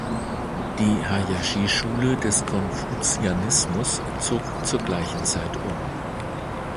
Die Hayashi-Schule des Konfuzianismus zog zur gleichen Zeit um.